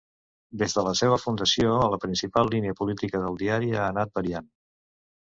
Des de la seva fundació, la principal línia política del diari ha anat variant.